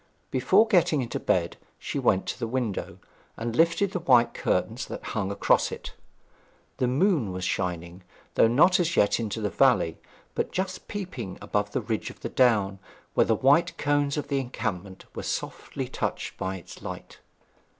Before getting into bed she went to the window, and lifted the white curtains that hung across it. The moon was shining, though not as yet into the valley, but just peeping above the ridge of the down, where the white cones of the encampment were softly touched by its light.